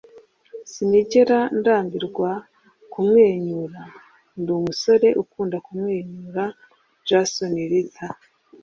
sinigera ndambirwa kumwenyura. ndi umusore ukunda kumwenyura. - jason ritter